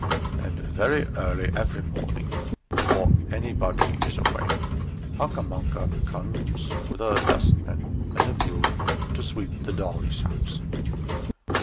And very early every morning before anybody is awake Hunca Munca comes with her dust pan and her broom to sweep the Dollies' house!